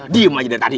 dium aja dari tadi